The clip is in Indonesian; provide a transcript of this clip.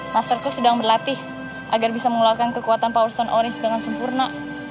masterku sedang berlatih agar bisa mengeluarkan kekuatan power stone oris dengan sempurna